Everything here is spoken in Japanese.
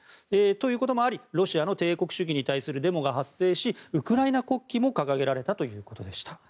ということもありロシアの帝国主義に対するデモが発生しウクライナ国旗も掲げられたということでした。